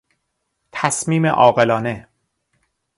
تصمیم عاقلانه